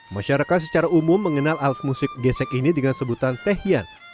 masyarakat secara umum mengenal alat musik gesek ini dengan sebutan tehian